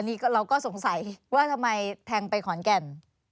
นี่เราก็สงสัยว่าทำไมแทงไปขอนแก่น